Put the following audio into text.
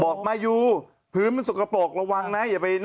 บอกมายูพื้นมันสกปรกระวังนะ